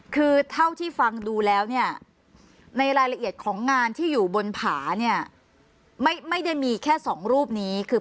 คือเท่าที่ฟังดูแล้วเนี่ยในรายละเอียดของงานที่อยู่บนผาเนี่ย